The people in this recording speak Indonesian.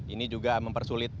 ini juga mempersulit